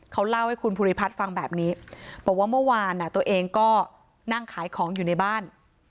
เขาเล่าให้คุณภูริพัฒน์ฟังแบบนี้บอกว่าเมื่อวานตัวเองก็นั่งขายของอยู่ในบ้าน